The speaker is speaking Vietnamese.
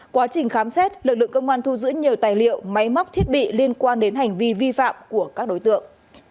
quá trình khám xét lực lượng công an thu giữ nhiều tài liệu máy móc thiết bị liên quan đến hành vi vi phạm của các đối tượng